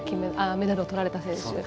メダルをとられた選手。